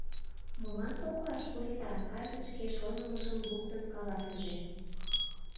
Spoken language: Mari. — Молан коклаш пуреда, кажне шке шонымыжым луктын каласыже.